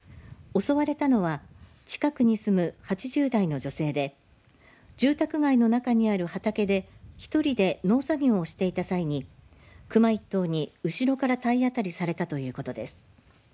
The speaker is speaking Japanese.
その後、現場に駆けつけた警察によりますと襲われたのは近くに住む８０代の女性で住宅街の中にある畑で１人で農作業をしていた際に熊１頭に後ろから体当たりされたということです。